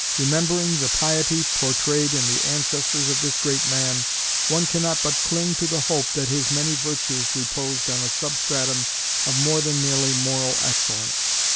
Remembering the piety portrayed in the ancestors of this great man, one cannot but cling to the hope that his many virtues reposed on a substratum of more than merely moral excellence.